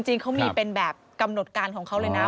จริงเขามีเป็นแบบกำหนดการของเขาเลยนะ